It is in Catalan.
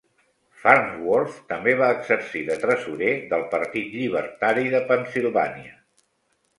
Farnsworth també va exercir de tresorer del Partit Llibertari de Pennsilvània.